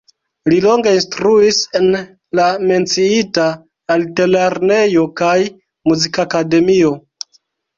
Li longe instruis en la menciita altlernejo kaj Muzikakademio.